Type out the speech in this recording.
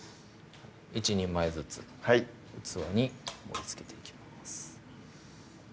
１人前ずつ器に盛りつけていきます